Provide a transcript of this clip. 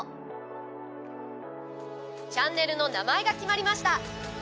チャンネルの名前が決まりました。